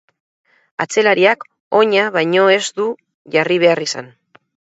Atzelariak oina baino ez du jarri behar izan.